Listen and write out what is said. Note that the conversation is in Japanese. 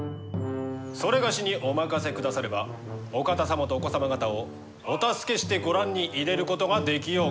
某にお任せくださればお方様とお子様方をお助けしてご覧に入れることができようかと。